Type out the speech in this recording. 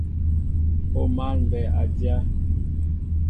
O máál mbɛy a dyá.